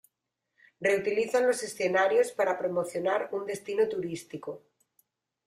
Reutilizan los escenarios para promocionar un destino turístico.